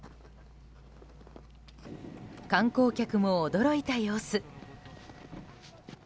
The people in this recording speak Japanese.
観光客も驚いた様子。